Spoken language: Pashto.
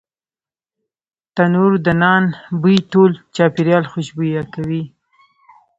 تنوردنان بوی ټول چاپیریال خوشبویه کوي.